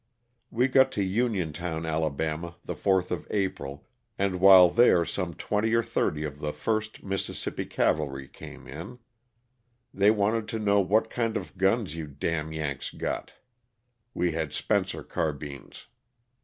We got to Uniontown, Ala., the 4th of April, and while there some twenty or thirty of the 1st Mississippi Cavalry came in. They wanted to know '* what kind of guns you d * Yanks" got?' (We had Spencer car bines.)